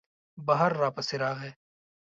بهر را پسې راغی.